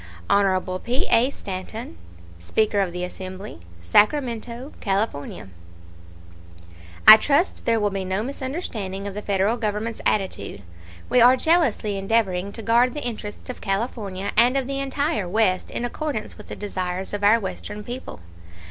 HON P. A. STANTON, Speaker of the Assembly, Sacramento, California: I trust there will be no misunderstanding of the Federal Government's attitude. We are jealously endeavoring to guard the interests of California and of the entire West in accordance with the desires of our Western people.